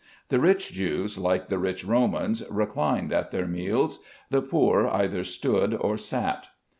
The rich Jews, like the rich Romans, reclined at their meals; the poor either stood or sat.